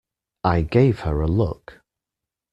I gave her a look.